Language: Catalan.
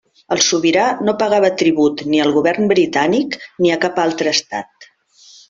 El sobirà no pagava tribut ni al govern britànic ni a cap altre estat.